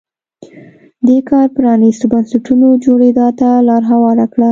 دې کار پرانیستو بنسټونو جوړېدا ته لار هواره کړه.